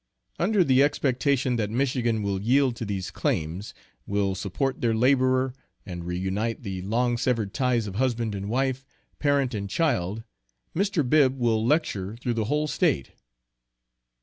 Under the expectation that Michigan will yield to these claims: will support their laborer, and re unite the long severed ties of husband and wife, parent and child, Mr. Bibb will lecture through the whole State.